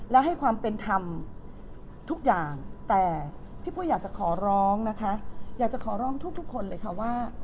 และให้ความเป็นธรรมทุกอย่างแต่พี่ปุ้ยอยากจะขอร้องนะคะอยากจะขอร้องทุกคนเลยค่ะว่า